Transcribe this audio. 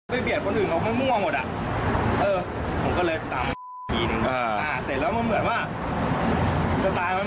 ผมจะสอนผมร้องเลยตามไปอีกที